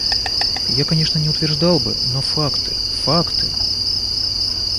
Я, конечно, не утверждал бы, но факты… факты!